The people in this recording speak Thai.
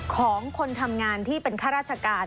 ของคนทำงานที่เป็นข้าราชการ